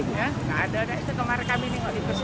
enggak ada itu tempat kami ini